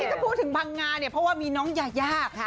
ที่จะพูดถึงพังง่าเพราะว่ามีน้องยายา